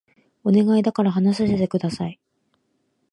お願いだから話させて下さい